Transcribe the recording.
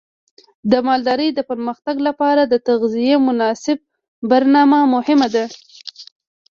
د مالدارۍ د پرمختګ لپاره د تغذیې مناسب برنامه مهمه ده.